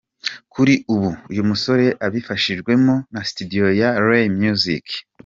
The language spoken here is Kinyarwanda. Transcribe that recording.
Kuri ubu uyu musore abifashijwemo na studio ya Ray Music.